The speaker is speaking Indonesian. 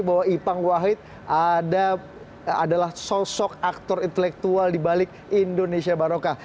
bahwa ipang wahid adalah sosok aktor intelektual dibalik indonesia barokah